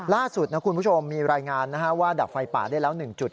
ล่าสุดนะคุณผู้ชมมีรายงานว่าดับไฟป่าได้แล้ว๑จุด